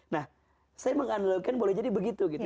nah saya menganalogikan boleh jadi begitu gitu